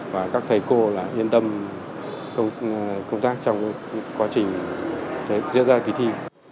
và các thầy cô yên tâm công tác trong quá trình diễn ra kỳ thi